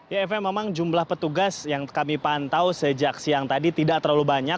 ya eva memang jumlah petugas yang kami pantau sejak siang tadi tidak terlalu banyak